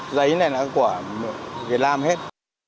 dấy này là của việt nam hết